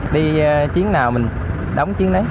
đi chiến nào mình đóng chiến đấy